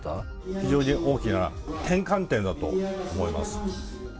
非常に大きな転換点だと思います。